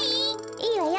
いいわよ。